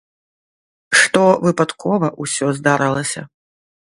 Што выпадкова усё здарылася.